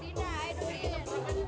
buat jari potongnya dulu